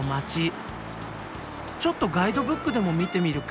ちょっとガイドブックでも見てみるか。